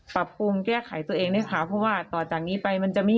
ปรับปรุงแก้ไขตัวเองด้วยค่ะเพราะว่าต่อจากนี้ไปมันจะไม่